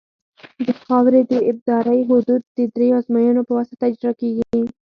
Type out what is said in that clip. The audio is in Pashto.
د خاورې د ابدارۍ حدود د دریو ازموینو په واسطه اجرا کیږي